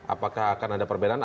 apakah akan ada perbedaan